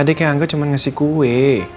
adiknya anggap cuma ngasih kue